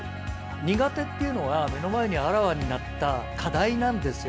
苦手っていうのは、目の前にあらわになった課題なんですよ。